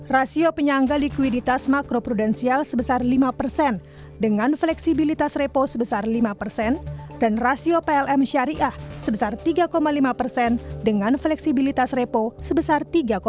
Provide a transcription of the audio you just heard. rasio penyangga likuiditas makro prudensial sebesar lima persen dengan fleksibilitas repo sebesar lima persen dan rasio plm syariah sebesar tiga lima persen dengan fleksibilitas repo sebesar tiga empat